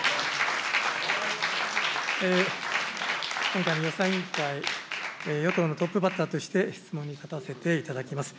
今回の予算委員会、与党のトップバッターとして質問に立たせていただきます。